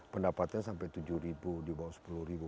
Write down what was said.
pendapatnya sampai tujuh ribu di bawah sepuluh ribu